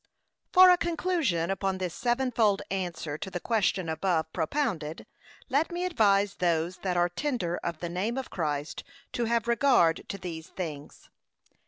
For a conclusion upon this sevenfold answer to the question above propounded, let me advise those that are tender of the name of Christ, to have regard to these things.